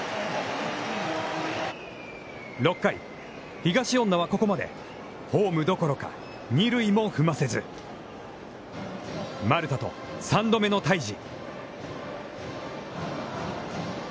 ６回、東恩納はここまでホームどころか二塁も踏ませず丸田と３度目の対峙。